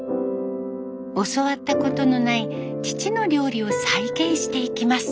教わったことのない父の料理を再現していきます。